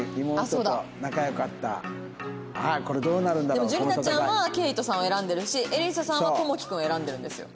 でもじゅりなちゃんは彗斗さんを選んでるしえりささんは智規君を選んでるんですよ。